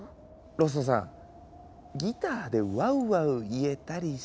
ロッソさんギターで「ワウワウ」言えたりしないですよね？